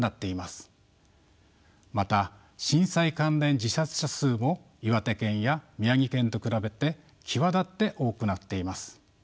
また震災関連自殺者数も岩手県や宮城県と比べて際立って多くなっています。